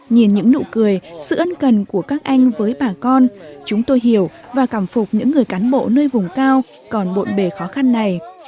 nhìn những nụ cười sự ân cần của các anh với bà con chúng tôi hiểu và cảm phục những người cán bộ nơi vùng cao còn bộn bề khó khăn này